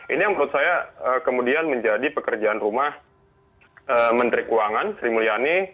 ini yang menurut saya kemudian menjadi pekerjaan rumah menteri keuangan sri mulyani